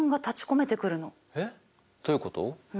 えっどういうこと？